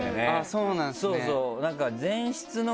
そうなんですね。